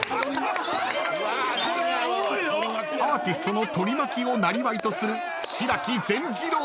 ［アーティストの取り巻きをなりわいとする白木善次郎］